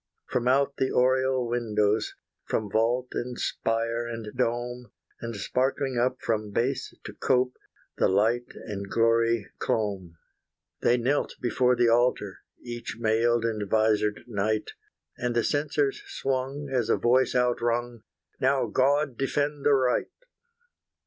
From out the oriel windows, From vault, and spire, and dome, And sparkling up from base to cope, The light and glory clomb. They knelt before the altar, Each mailed and visored knight, And the censers swung as a voice outrung, 'Now God defend the right'!